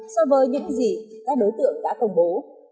so với những gì các đối tượng đã công bố